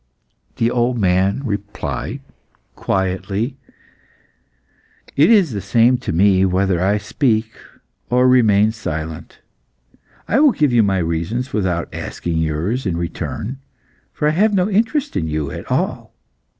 The old man replied quietly "It is the same to me whether I speak or remain silent. I will give my reasons without asking yours in return, for I have no interest in you at all.